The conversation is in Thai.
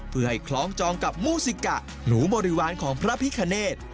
เพื่อให้คล้องจองกับมูซิกะหนูบริวารของพระพิคเนธ